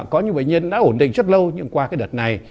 có những bệnh nhân đã ổn định rất lâu nhưng qua cái đợt này